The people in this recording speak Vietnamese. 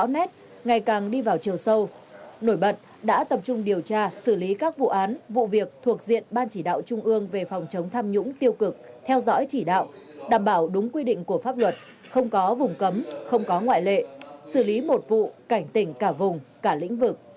nổi bật đã tập trung điều tra xử lý các vụ án vụ việc thuộc diện ban chỉ đạo trung ương về phòng chống tham nhũng tiêu cực theo dõi chỉ đạo đảm bảo đúng quy định của pháp luật không có vùng cấm không có ngoại lệ xử lý một vụ cảnh tỉnh cả vùng cả lĩnh vực